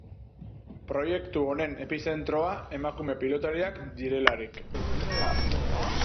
Proiektu honen epizentroa emakume pilotariak direlarik.